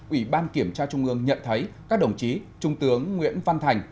ủy ban kiểm tra trung ương nhận thấy các đồng chí trung tướng nguyễn văn thành